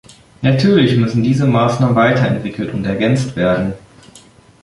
Natürlich müssen diese Maßnahmen weiter entwickelt und ergänzt werden.